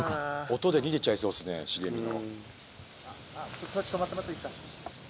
音で逃げちゃいそうですね茂みの。